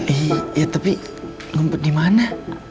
ih ya tapi ngumpet dimana